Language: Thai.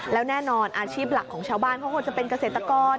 แล้วแน่นอนอาชีพหลักของชาวบ้านเขาควรจะเป็นเกษตรกร